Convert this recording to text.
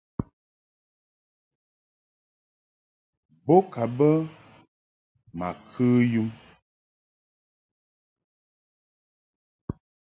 Bo ka bə ma kə yum.